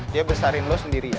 dia besarin lo sendiri